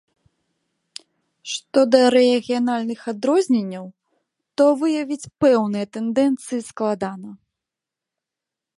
Што да рэгіянальных адрозненняў, то выявіць пэўныя тэндэнцыі складана.